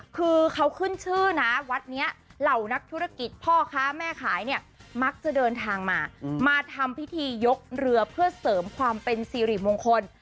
คือเขาขึ้นชื่อนะวัดนี้เหล่านักธุรกิจพ่อค้าแม่ขายเนี่ยมักจะเดินทางมามาทำพิธียกเรือเพื่อเสริมความเป็นสิริมงคล